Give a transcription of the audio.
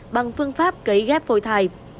bằng phương pháp cấy ghép phôi thai